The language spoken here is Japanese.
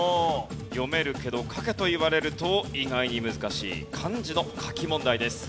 読めるけど書けと言われると意外に難しい漢字の書き問題です。